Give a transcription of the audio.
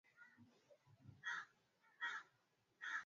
ya kwanza ya Wakristo chini ya serikali Petro ni mfano mzuri wa